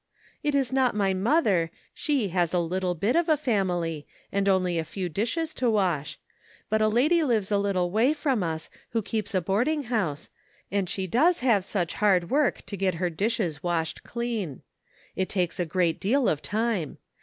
It is not my mother; she has a little bit of a family, and only a few dishes to wash, but a lady lives a little way from us who keeps a boarding house, and she does have such hard work to get her dishes washed clean. It takes a great deal of time.